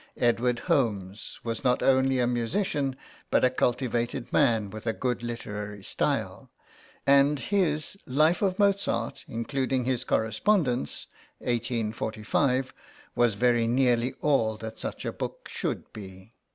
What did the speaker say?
Edward Holmes was not only a musician, but a cultivated man with a good literary style, and his Life of Mozart, including his Correspondence (1845), was very nearly all that such a book should be.